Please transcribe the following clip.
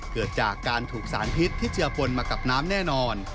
เกิดจากการถูกสารพิษที่เจือปนมากับน้ำแน่นอน